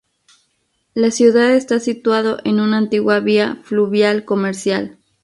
La ciudad está situado en una antigua vía fluvial comercial.